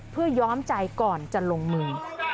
เพื่อย้อมใจก่อนจะลงมือ